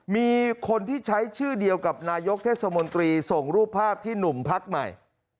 มีคนที่ใช้ชื่อเดียวกับนายกเทศมนตรีส่งรูปภาพที่หนุ่มพักใหม่